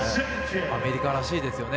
アメリカらしいですよね。